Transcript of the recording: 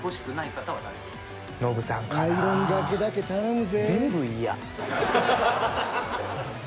アイロンがけだけ頼むぜ。